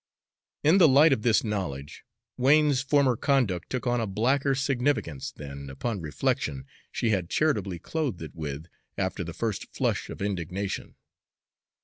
In the light of this knowledge, Wain's former conduct took on a blacker significance than, upon reflection, she had charitably clothed it with after the first flush of indignation.